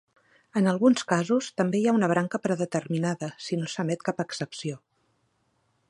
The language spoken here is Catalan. En alguns casos també hi ha una branca predeterminada, si no s'emet cap excepció.